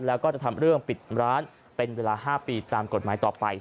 แล้วก็จะทำเรื่องปิดร้านเป็นเวลา๕ปีตามกฎหมายต่อไป